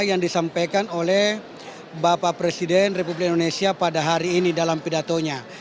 yang disampaikan oleh bapak presiden republik indonesia pada hari ini dalam pidatonya